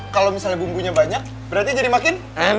kalau misalnya bumbunya banyak berarti jadi makin enak